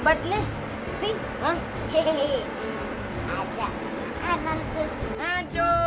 wah ini kayaknya tempat aman nih buat buang botol